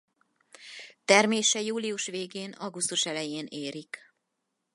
Termése július végén-augusztus elején érik.